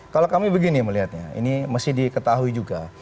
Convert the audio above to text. kalau kami begini melihatnya ini mesti diketahui juga